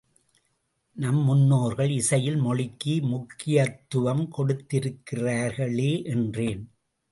நம் முன்னோர்கள் இசையில் மொழிக்கு முக்கியத்துவம் கொடுத்திருக்கிறார்களே, என்றேன்.